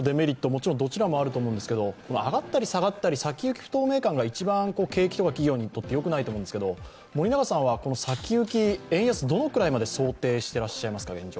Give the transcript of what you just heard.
もちろん両方あると思うんですけれども上がったり下がったり、先行き不透明感が景気や企業によくないと思うんですけど、森永さんは先行き、円安どのくらいまで現状、想定していらっしゃいますか？